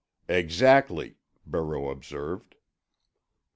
"Exactly," Barreau observed.